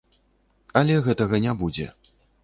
Але гэтага не будзе.